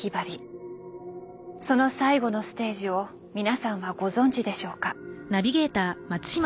その最後のステージを皆さんはご存じでしょうか？